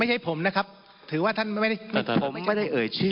ไม่ใช่ผมนะครับถือว่าท่านไม่ได้เอ่ยชื่อ